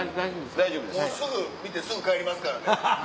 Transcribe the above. もうすぐ見てすぐ帰りますからね。